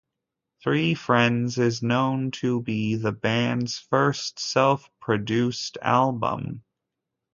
Three Friends is known to be the band's first self-produced album.